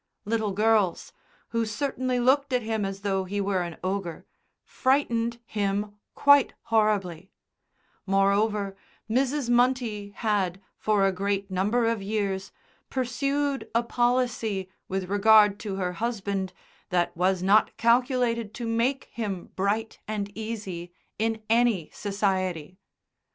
Little girls (who certainly looked at him as though he were an ogre) frightened him quite horribly; moreover, Mrs. Munty had, for a great number of years, pursued a policy with regard to her husband that was not calculated to make him bright and easy in any society.